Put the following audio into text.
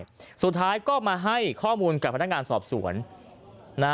สุดท้ายก็มาให้ข้อมูลกับพนักงานสอบสวนนะ